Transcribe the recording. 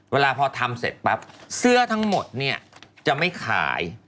เวลาพอทำเสร็จปั๊บเสื้อทั้งหมดเนี่ยจะไม่ขาย